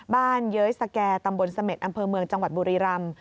เย้ยสแก่ตำบลเสม็ดอำเภอเมืองจังหวัดบุรีรำ